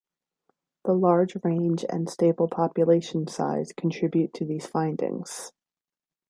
The large range and stable population size contribute to these findings.